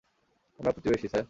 আমরা প্রতিবেশী, স্যার।